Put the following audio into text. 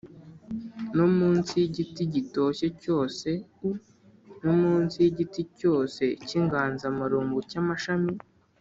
No munsi y igiti gitoshye cyose u no munsi y igiti cyose cy inganzamarumbo cy amashami